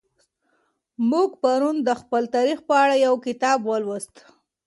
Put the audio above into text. موږ پرون د خپل تاریخ په اړه یو کتاب ولوست.